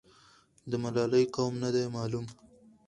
د ملالۍ قوم نه دی معلوم.